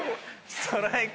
「ストライク」